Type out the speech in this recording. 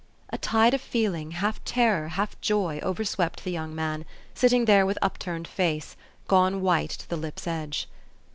A tide of feeling half terror, half joy, overswept the young man, sitting there with upturned face, gone white to the lips' edge.